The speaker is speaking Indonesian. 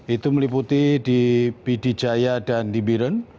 dua ratus enam puluh tujuh itu meliputi di pd jaya dan di biren